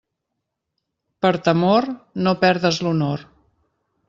Per temor, no perdes l'honor.